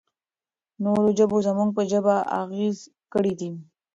نورو ژبو زموږ پر ژبه اغېز کړی دی.